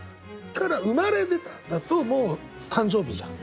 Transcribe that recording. だから「生まれ出た」だともう誕生日じゃん。